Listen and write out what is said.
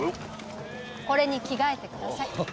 これに着替えてください。